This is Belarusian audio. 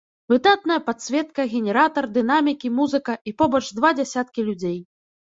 Выдатная падсветка, генератар, дынамікі, музыка і побач два дзясяткі людзей.